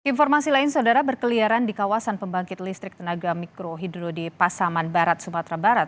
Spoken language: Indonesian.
informasi lain saudara berkeliaran di kawasan pembangkit listrik tenaga mikrohidro di pasaman barat sumatera barat